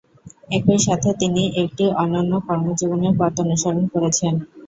একই সাথে তিনি একটি অনন্য কর্মজীবনের পথ অনুসরণ করেছেন।